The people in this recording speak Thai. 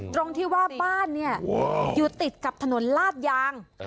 ตรงที่ว่าบ้านเนี่ยอยู่ติดกับถนนลาดยาง